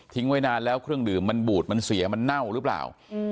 ไว้นานแล้วเครื่องดื่มมันบูดมันเสียมันเน่าหรือเปล่า